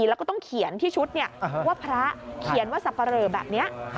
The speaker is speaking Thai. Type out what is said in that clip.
แล้วก็ต้องเขียนที่ชุดว่าพระเขียนว่าสับปะเหลอแบบนี้